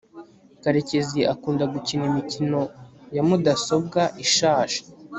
karekezi akunda gukina imikino ya mudasobwa ishaje